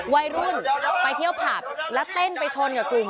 วัยรุ่นไปเที่ยวผับแล้วเต้นไปชนกับกลุ่ม